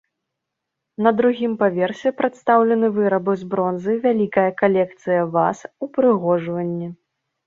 На другім паверсе прадстаўлены вырабы з бронзы, вялікая калекцыя ваз, упрыгожванні.